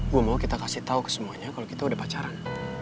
gue mau kita kasih tahu ke semuanya kalau kita udah pacaran